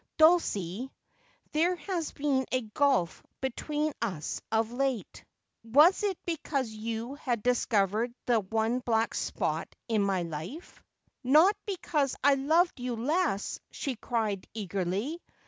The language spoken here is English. Dulcie, there has been a gulf between us of late — was it because you had discovered the one black spot in my life V ' Not because I loved you less,' she cried eagerly.